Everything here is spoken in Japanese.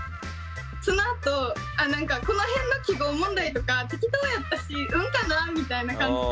そのあと「この辺の記号問題とか適当やったし運かな」みたいな感じで。